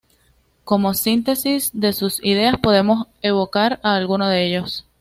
Como síntesis de sus ideas podemos evocar a algunos de ellos.